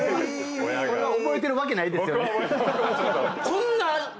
これは覚えてるわけないですよね。